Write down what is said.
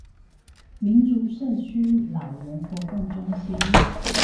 民族社區老人活動中心